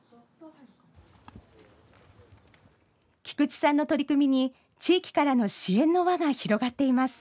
菊地さんの取り組みに地域からの支援の輪が広がっています。